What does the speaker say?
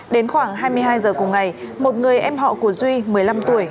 đến khoảng hai mươi hai giờ cùng ngày một người em họ của duy một mươi năm tuổi